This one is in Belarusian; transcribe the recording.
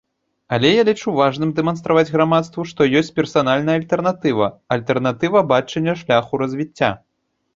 Але я лічу важным дэманстраваць грамадству, што ёсць персанальная альтэрнатыва, альтэрнатыва бачання шляху развіцця.